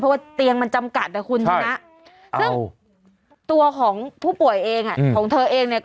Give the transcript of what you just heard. เพราะว่าเตียงมันจำกัดนะคุณชนะซึ่งตัวของผู้ป่วยเองอ่ะของเธอเองเนี่ย